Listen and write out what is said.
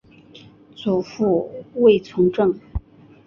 祖父卫从政。